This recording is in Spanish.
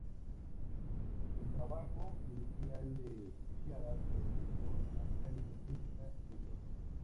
El trabajo inicial de Chiara se centró en la mecánica estadística rigurosa.